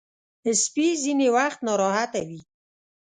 سپي ځینې وخت ناراحته وي.